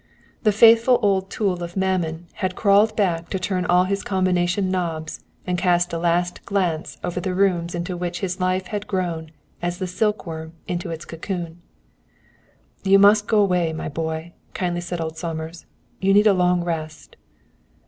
The faithful old tool of Mammon had crawled back to turn all his combination knobs and cast a last glance over the rooms into which his life had grown as the silkworm into its cocoon. "You must go away, my boy," kindly said old Somers, "you need a long rest."